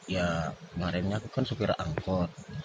ya kemarinnya aku kan supir angkot